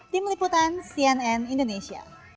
tim liputan cnn indonesia